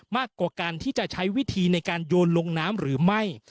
มากกว่าการที่จะใช้วิธีในการโยนลงน้ำหรือไม่